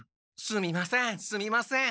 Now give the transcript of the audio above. すみませんすみません。